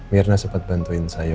mirna sempat bantuin saya